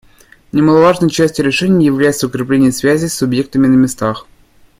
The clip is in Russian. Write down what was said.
Немаловажной частью решения является укрепление связей с субъектами на местах.